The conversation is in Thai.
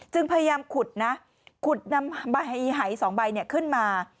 พยายามขุดนะขุดนำใบหาย๒ใบขึ้นมา